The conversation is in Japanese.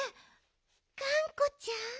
がんこちゃん。